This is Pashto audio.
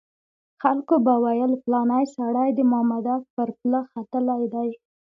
خلکو به ویل پلانی سړی د مامدک پر پله ختلی دی.